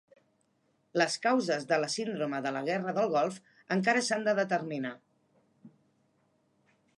Les causes de la síndrome de la guerra del Golf encara s'han de determinar.